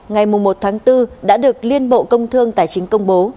ngày một tháng bốn đã được liên bộ công thương tài chính công bố